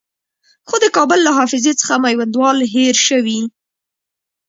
خو د کابل له حافظې څخه میوندوال هېر شوی.